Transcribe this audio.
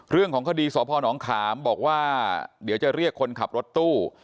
เรื่องของคดีสพนขามบอกว่าเดี๋ยวจะเรียกคนขับรถตู้